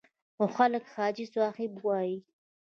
خو خلک حاجي صاحب وایي.